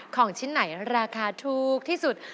ของชิ้นไหนราคาถูกที่สุด